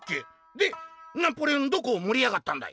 「でナポレオンどこを盛りやがったんだい？」。